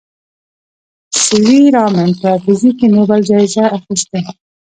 سي وي رامن په فزیک کې نوبل جایزه اخیستې.